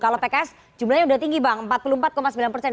kalau pks jumlahnya sudah tinggi bang empat puluh empat sembilan persen